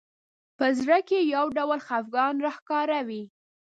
په زړه کې یو ډول خفګان راښکاره وي